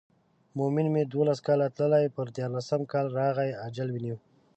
مومن مې دولس کاله تللی پر دیارلسم کال راغی اجل ونیو.